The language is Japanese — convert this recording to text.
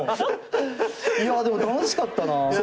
いやでも楽しかったな。